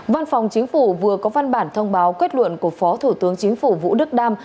văn phòng chính phủ vừa có văn bản thông báo kết luận của phó thủ tướng chính phủ vũ đức đam